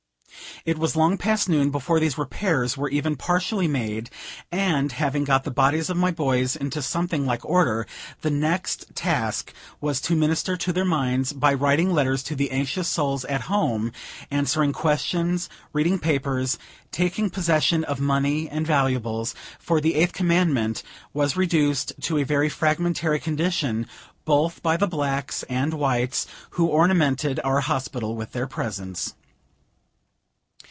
It was long past noon before these repairs were even partially made; and, having got the bodies of my boys into something like order, the next task was to minister to their minds, by writing letters to the anxious souls at home; answering questions, reading papers, taking possession of money and valuables; for the eighth commandment was reduced to a very fragmentary condition, both by the blacks and whites, who ornamented our hospital with their presence.